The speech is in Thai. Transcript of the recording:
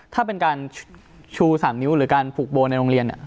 ถ้าเป็นการชู๓นิ้วหรือการผูกโบในโรงเรียน